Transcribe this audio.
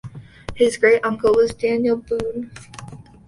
His great-uncle was Daniel Boone.